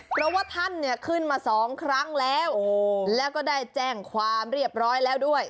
เพราะว่าท่านเนี่ยขึ้นมาสองครั้งแล้วแล้วก็ได้แจ้งความเรียบร้อยแล้วด้วย